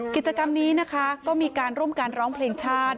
กิจกรรมนี้นะคะก็มีการร่วมกันร้องเพลงชาติ